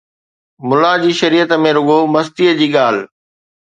ملا جي شريعت ۾ رڳو مستيءَ جي ڳالهه